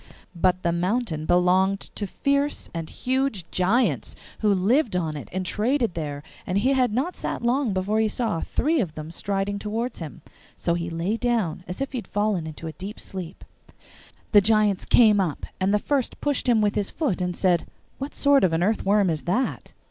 But the mountain belonged to fierce and huge giants, who lived on it and traded there, and he had not sat long before he saw three of them striding towards him. So he lay down as if he had fallen into a deep sleep. The giants came up, and the first pushed him with his foot, and said, 'What sort of an earthworm is that?